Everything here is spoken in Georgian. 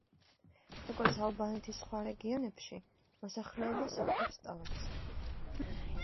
როგორც ალბანეთის სხვა რაიონებში მოსახლეობა სოფლებს ტოვებს.